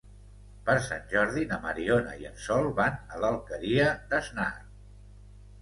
Per Sant Jordi na Mariona i en Sol van a l'Alqueria d'Asnar.